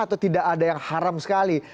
atau tidak ada yang haram sekali